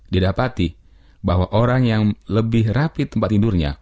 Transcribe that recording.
didapati bahwa orang yang lebih rapi tempat tidurnya